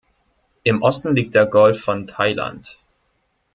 Im Osten liegt der Golf von Thailand.